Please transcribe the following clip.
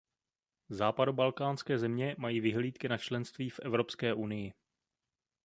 Západobalkánské země mají vyhlídky na členství v Evropské unii.